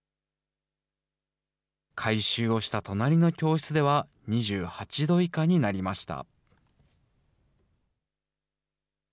改修をした隣の教室では、２８度以下になりました。